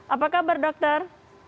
apa kabar dokter